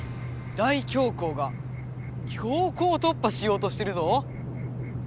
大凶光が強行とっぱしようとしてるぞ！